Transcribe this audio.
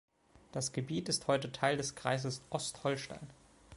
Das Gebiet ist heute Teil des Kreises Ostholstein.